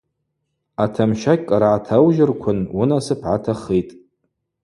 Атамщакь кӏара гӏатаужьырквын уынасып гӏатахитӏ.